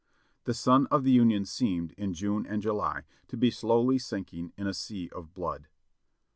The sun of the Union seemed, in June and July, to be slowly sinking in a sea of blood.